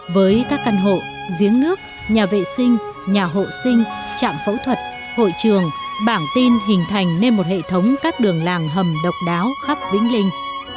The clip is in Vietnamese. với các căn hộ giếng nước nhà vệ sinh nhà hộ sinh trạm phẫu thuật hội trường bảng tin hình thành nên một hệ thống các đường làng hầm độc đáo khắp vĩnh linh